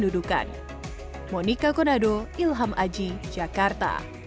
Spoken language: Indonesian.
dan dokumen kependudukan